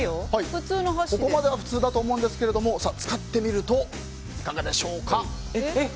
ここまでは普通だと思うんですが使ってみると、いかがでしょうか。